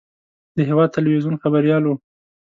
د هېواد تلویزیون خبریال و.